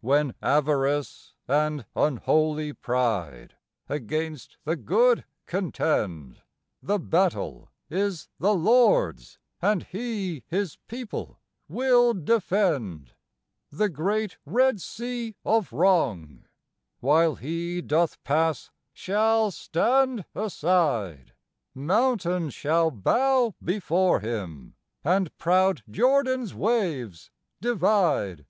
When Avarice and unholy Pride against the good contend, The battle is the Lord's and He His people will defend. The great Red Sea of wrong, while He doth pass, shall stand aside; Mountains shall bow before Him, and proud Jordan's waves divide.